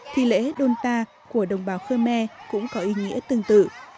thì lễ sendonta của đồng bào khmer cũng có ý nghĩa tương tự